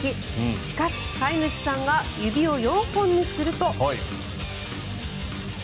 しかし、飼い主さんが指を４本にすると。